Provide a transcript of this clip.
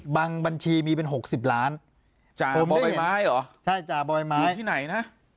บัญชีมีเป็น๖๐ล้านจ่าบ่อยไม้เหรอใช่จ่าบ่อยไม้ที่ไหนนะ